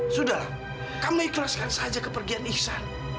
sudahlah kamu ikhlaskan saja kepergian iksan